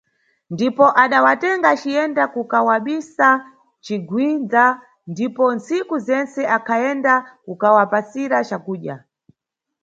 Ndipo adawatenga aciyenda kukawabisa m`cigwindza, ndipo ntsiku zentse akhayenda kukawapasira cakudya.